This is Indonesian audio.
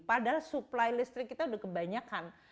padahal supply listrik kita udah kebanyakan